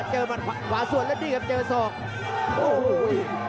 เจอมัดขวาส่วนแล้วนี่ครับเจอส่อง